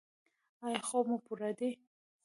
ایا خوب مو پوره دی؟